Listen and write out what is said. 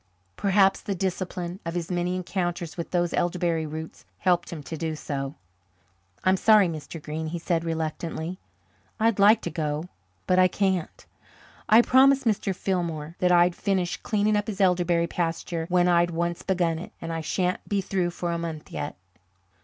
Perhaps the discipline of his many encounters with those elderberry roots helped him to do so. "I'm sorry, Mr. Green," he said reluctantly. "I'd like to go, but I can't. I promised Mr. Fillmore that I'd finish cleaning up his elderberry pasture when I'd once begun it, and I shan't be through for a month yet."